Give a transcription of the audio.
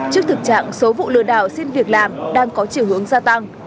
trước thực trạng số vụ lừa đảo xin việc làm đang có chiều hướng gia tăng